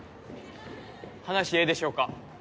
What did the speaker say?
話ええでしょうか？